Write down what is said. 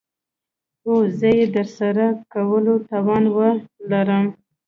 او زه يې دترسره کولو توان وه لرم .